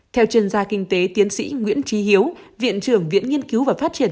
theo chuyên gia kinh tế tiến sĩ nguyễn trí hiếu viện trưởng viện nghiên cứu và phát triển